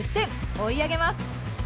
追い上げます。